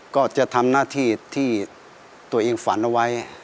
ก็จะทำหน้าที่ที่ตัวเองฝันเอาไว้